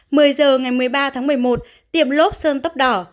một mươi giờ ngày một mươi ba tháng một mươi một tiệm lốp sơn tóc đỏ